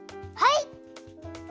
はい！